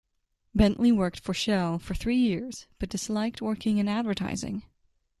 Bentley worked for Shell for three years but disliked working in advertising.